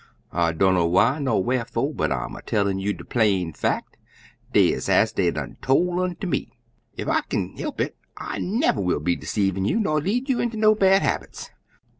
I dunner why ner wharfo', but I'm a tellin' you de plain fack, des ez dey to!' it unter me. Ef I kin he'p it I never will be deceivin' you, ner lead you inter no bad habits.